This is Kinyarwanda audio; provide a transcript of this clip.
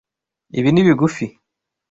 Ibi ni bigufi.